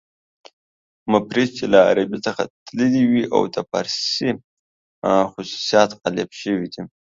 مفرس چې له عربي څخه تللي وي او د فارسي خصوصیات غالب شوي دي.